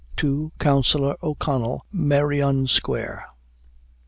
"To Counsellor O'Connell, Merrion square."